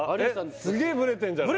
すげえブレてんじゃない？